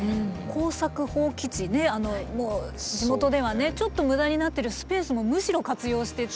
耕作放棄地ねもう地元ではちょっと無駄になってるスペースもむしろ活用してっていうね。